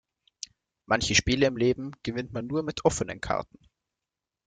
Manche Spiele im Leben gewinnt man nur mit offenen Karten.